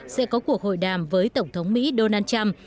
sẽ có cuộc hội đàm với tổng thống mỹ donald trump